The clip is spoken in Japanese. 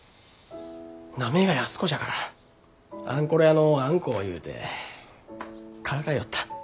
名前が安子じゃからあんころ屋のあんこ言うてからかよった。